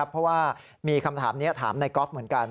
เพราะว่ามีคำถามนี้ถามในก๊อฟเหมือนกัน